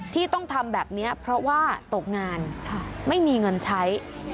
ที่ต้องทำแบบนี้เพราะว่าตกงานไม่มีเงินใช้